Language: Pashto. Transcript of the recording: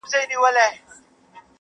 د مړونو قدر کم سي چي پردي وطن ته ځینه-